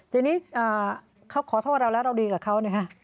ทีนี้เขาขอโทษเราแล้วเราดีกับเขานะฮะ